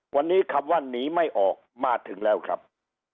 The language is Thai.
วันนี้คำว่าหนีไม่ออกมาถึงแล้วครับ